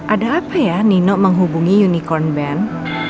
ada apa ya nino menghubungi unicorn band